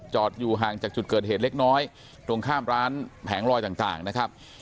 อยู่ห่างจากจุดเกิดเหตุเล็กน้อยตรงข้ามร้านแผงลอยต่างนะครับ